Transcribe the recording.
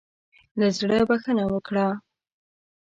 له زړۀ بخښنه وکړه.